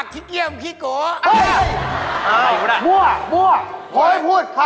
ที่อีกภาคที่เกี่ยมที่โก